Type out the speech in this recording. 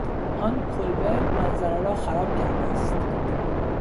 آن کلبه منظره را خراب کرده است.